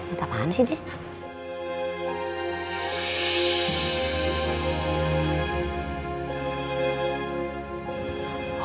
gapapaan sih dia